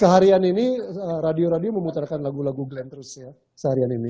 seharian ini radio radio memutarkan lagu lagu glenn terus ya seharian ini